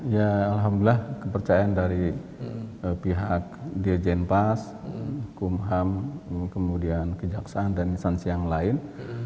ya alhamdulillah kepercayaan dari pihak dirjen pas kumham kemudian kejaksaan dan instansi yang lain